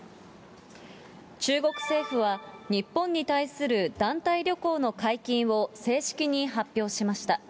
中国政府は、日本に対する団体旅行の解禁を正式に発表しました。